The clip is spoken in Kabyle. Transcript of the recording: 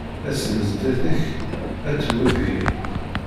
Ass-n zdat-k ad tewwet deg-i.